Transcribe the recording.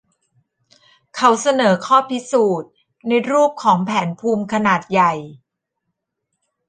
เขาเสนอการพิสูจน์ในรูปของแผนภูมิขนาดใหญ่